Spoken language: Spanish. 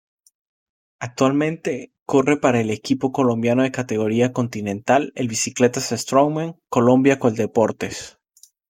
Actualmente corre para el equipo colombiano de categoría Continental el Bicicletas Strongman Colombia Coldeportes.